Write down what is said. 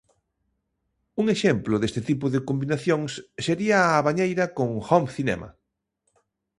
Un exemplo deste tipo de combinacións sería a bañeira con home cinema.